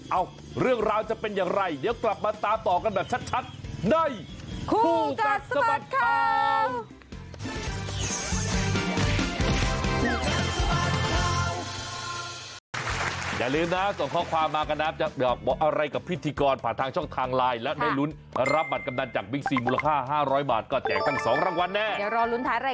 เอ้าเรื่องราวจะเป็นอย่างไรเดี๋ยวกลับมาตามต่อกันแบบชัดใน